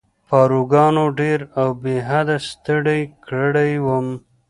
پاروګانو ډېر او بې حده ستړی کړی وم.